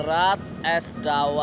gak cukup pulsaanya